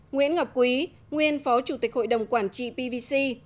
nguyễn ngọc quý nguyên phó chủ tịch hội đồng quản trị pvc